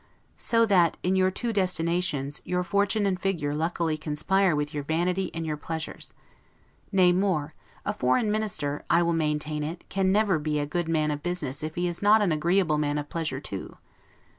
So that, in your two destinations, your fortune and figure luckily conspire with your vanity and your pleasures. Nay more; a foreign minister, I will maintain it, can never be a good man of business if he is not an agreeable man of pleasure too.